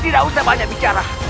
tidak usah banyak bicara